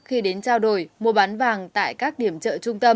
khi đến trao đổi mua bán vàng tại các chợ